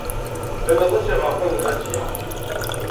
Llan aṭas n yiɣerfan deg Asya.